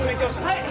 はい！